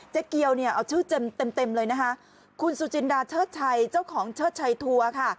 เจ๊เกียวเอาชื่อเจ็มเลยคุณซูจินดาเชิดชัยเจ้าของเชิดชัยทัวร์